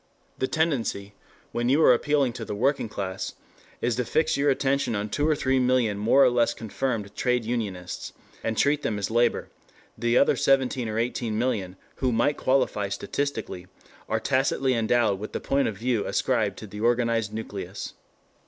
The tendency, when you are appealing to the "working class," is to fix your attention on two or three million more or less confirmed trade unionists, and treat them as Labor; the other seventeen or eighteen million, who might qualify statistically, are tacitly endowed with the point of view ascribed to the organized nucleus.